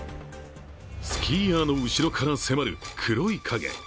スキーヤーの後ろから迫る黒い影。